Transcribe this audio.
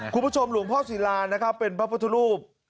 คุณผู้ชมหลวงพ่อศิลานะครับเป็นพระพุทธรูป